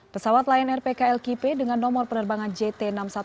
pesawat lion air pklkp dengan nomor penerbangan jt enam ratus sepuluh